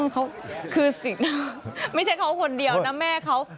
ก็คือสิ่งนั้นไม่เค้าคนเดียวนะแม่เค้า